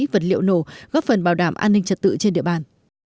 vật liệu nổ góp phần bảo đảm an ninh trật tự trên địa bàn